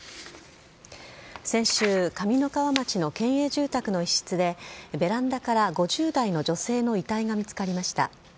先週、上三川町の県営住宅の一室で、ベランダから５０代の女性の遺体が見つかりました。